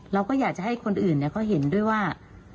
เราก็อยากจะให้คนอื่นเขาเห็นด้วยว่า